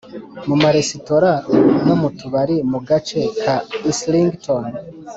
mu maresotora no mu tubari mu gace ka islington